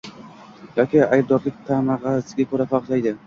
yoki aybdorlik tamg‘asiga ko‘ra farqlaydi